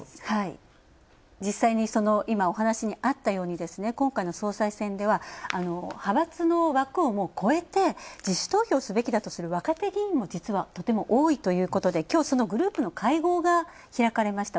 実際に、お話にあったように今回の総裁選では派閥の枠を超えて自主投票すべきだとする若手議員も実は、とても多いということできょう、そのグループの会合が開かれました。